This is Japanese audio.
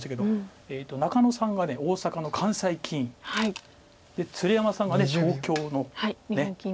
中野さんが大阪の関西棋院鶴山さんが東京の。日本棋院の。